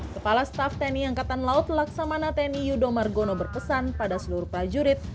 kepala staff tni angkatan laut laksamana tni yudo margono berpesan pada seluruh prajurit